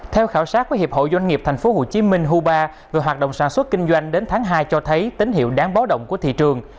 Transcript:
theo khảo sát của hiệp hội doanh nghiệp tp hcm huba về hoạt động sản xuất kinh doanh đến tháng hai cho thấy tín hiệu đáng báo động của thị trường